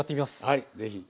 はい是非。